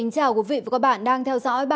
cảm ơn các bạn đã theo dõi